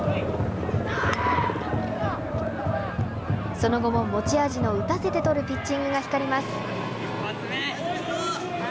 その後も、持ち味の打たせてとるピッチングが光ります。